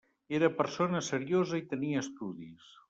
Era persona seriosa i tenia estudis.